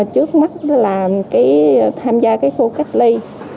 trước mắt là tham gia khu cách ly